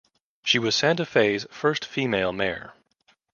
She was Santa Fe's first female mayor.